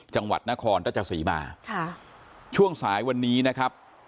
จังหวัดนครราชสีมาค่ะช่วงสายวันนี้นะครับ